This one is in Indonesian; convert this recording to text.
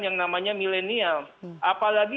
yang namanya milenial apalagi